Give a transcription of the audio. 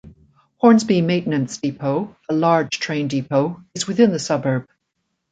Hornsby Maintenance Depot, a large train depot, is within the suburb.